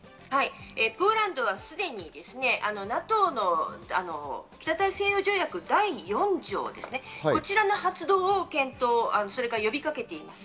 ポーランドはすでにＮＡＴＯの北大西洋条約の第４条ですね、こちらの発動を検討、そして呼びかけています。